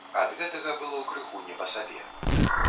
Ад гэтага было крыху не па сабе.